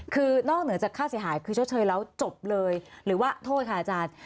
คือนอกเหนือจากค่าเสียหายคือชดเชยแล้วจบเลยหรือว่าโทษค่ะอาจารย์